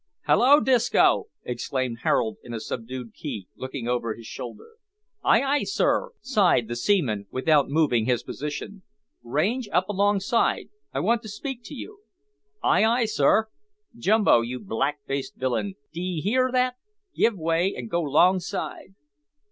"Hallo, Disco!" exclaimed Harold in a subdued key, looking over his shoulder. "Ay, ay, sir?" sighed the seaman, without moving his position. "Range up alongside; I want to speak to you." "Ay, ay, sir. Jumbo, you black faced villain, d'ee hear that? give way and go 'longside."